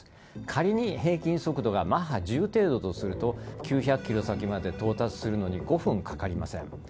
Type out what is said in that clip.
仮に平均速度がマッハ１０程度とすると９００ｋｍ先まで到達するのに５分かかりません。